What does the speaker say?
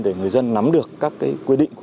để người dân nắm được các quy định